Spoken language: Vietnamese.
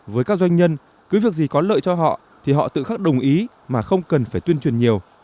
với các doanh nhân cứ việc gì có lợi cho họ thì họ tự khắc đồng ý mà không cần phải tuyên truyền nhiều